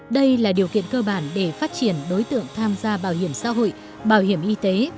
đây là điều kiện cơ bản để phát triển đối tượng tham gia bảo hiểm xã hội bảo hiểm y tế